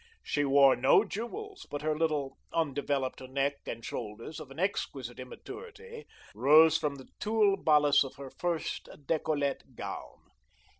She wore no jewels, but her little, undeveloped neck and shoulders, of an exquisite immaturity, rose from the tulle bodice of her first decollete gown.